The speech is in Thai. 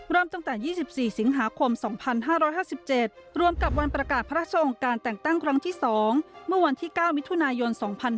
เริ่มตั้งแต่๒๔สิงหาคม๒๕๕๗รวมกับวันประกาศพระราชทรงการแต่งตั้งครั้งที่๒เมื่อวันที่๙มิถุนายน๒๕๕๙